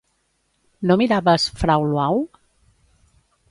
No miraves “Frau Luau”?